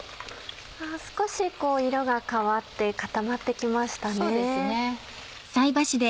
あ少し色が変わって固まって来ましたね。